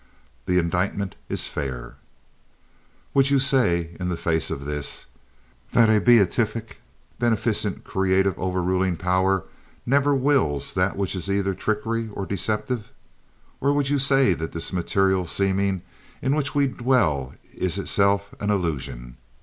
The indictment is fair. Would you say, in the face of this, that a beatific, beneficent creative, overruling power never wills that which is either tricky or deceptive? Or would you say that this material seeming in which we dwell is itself an illusion?